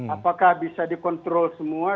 apakah bisa dikontrol semua